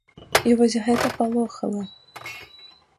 І вось гэта палохала.